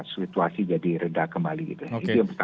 situasi jadi reda kembali gitu ya